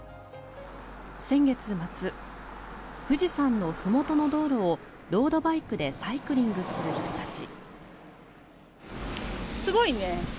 先月末富士山のふもとの道路をロードバイクでサイクリングする人たち。